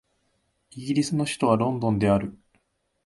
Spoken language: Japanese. イギリスの首都はロンドンである